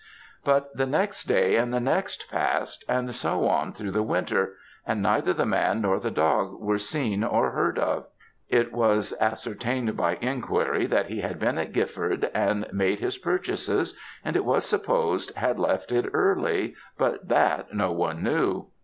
But the next day, and the next passed, and so on through the winter, and neither the man nor the dog were seen or heard of. It was ascertained by enquiry that he had been at Gifford, and made his purchases, and it was supposed, had left it early, but that no one knew.